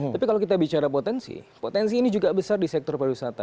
tapi kalau kita bicara potensi potensi ini juga besar di sektor pariwisata